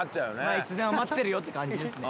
いつでも待ってるよって感じですね。